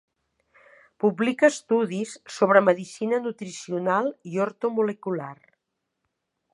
Publica estudis sobre medicina nutricional i ortomolecular.